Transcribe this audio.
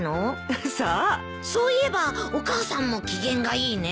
そういえばお母さんも機嫌がいいね。